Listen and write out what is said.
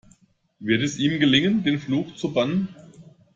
Wird es ihm gelingen, den Fluch zu bannen?